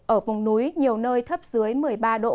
ở vùng núi nhiều nơi thấp dưới một mươi ba độ